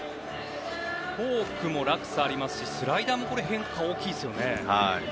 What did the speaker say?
フォークも落差がありますしスライダーも変化が大きいですね。